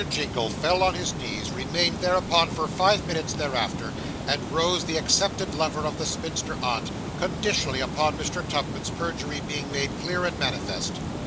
Jingle fell on his knees, remained thereupon for five minutes thereafter; and rose the accepted lover of the spinster aunt conditionally upon Mr. Tupman's perjury being made clear and manifest.